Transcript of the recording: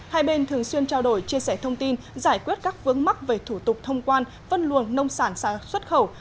hai bên thường xuyên trao đổi chia sẻ thông tin giải quyết các vướng mắc về thủ tục thông quan vân luận nông sản xã xuất khẩu